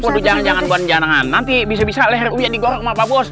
waduh jangan jangan buandien jangan nanti bisa bisa leher ubiah digorok sama pak bos